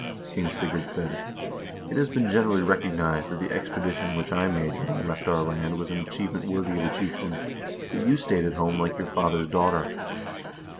King Sigurd said :' It has been generally recognized that the expedition which I made when I left our land was an achievement worthy of a chieftain, but you stayed at home like your father's daughter.'